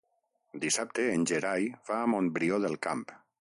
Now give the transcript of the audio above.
Dissabte en Gerai va a Montbrió del Camp.